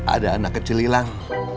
ada anak kecil hilang